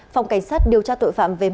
phòng cảnh sát điều tra tội phạm về ma